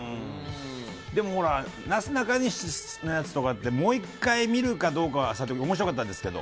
でも、なすなかにしのやつとかって、もう一回見るとかは面白かったんですけど。